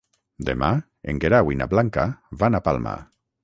Demà en Guerau i na Blanca van a Palma.